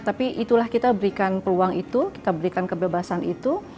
tapi itulah kita berikan peluang itu kita berikan kebebasan itu